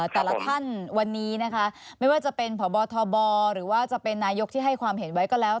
แต่ละท่านวันนี้นะคะไม่ว่าจะเป็นพบทบหรือว่าจะเป็นนายกที่ให้ความเห็นไว้ก็แล้ว